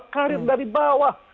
karir dari bawah